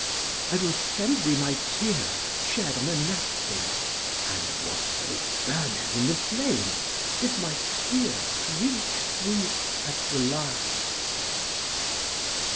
I will send thee my tears shed on a napkin, and what though it burneth in the flame, if my tears reach thee at the last.'